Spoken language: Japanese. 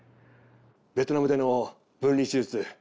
ベトナムでの分離手術